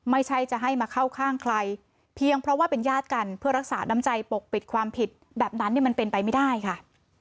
ไม่ใช่จะให้มาเข้าข้างใครเพียงเพราะว่าเป็นญาติกันเพื่อรักษาน้ำใจปกปิดความผิดแบบนั้นเนี่ยมันเป็นไปไม่ได้ค่ะ